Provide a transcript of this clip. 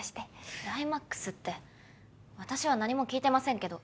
クライマックスって私は何も聞いてませんけど。